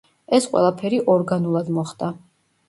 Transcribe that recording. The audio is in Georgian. ეს ყველაფერი ორგანულად მოხდა.